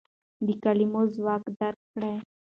د کلمو ځواک درک کړئ.